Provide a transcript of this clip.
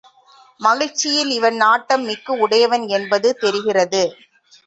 மகிழ்ச்சியில் இவன் நாட்டம் மிக்கு உடையவன் என்பது தெரிகிறது.